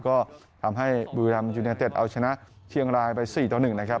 ก็ทำให้บริวดำยูเนยเต็ดเอาชนะเชียงรายไปสี่ต่อหนึ่งนะครับ